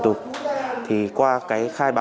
xe đã qua cửa khẩu ạ